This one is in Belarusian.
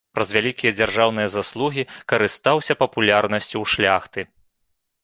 Праз вялікія дзяржаўныя заслугі карыстаўся папулярнасцю ў шляхты.